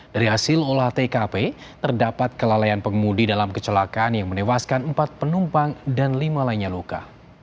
dari hasil olah tkp terdapat kelalaian pengemudi dalam kecelakaan yang menewaskan empat penumpang dan lima lainnya luka